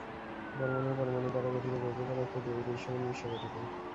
পরমাণু ও পরমাণু দ্বারা গঠিত যৌগ পদার্থ দিয়ে এই দৃশ্যমান বিশ্ব গঠিত।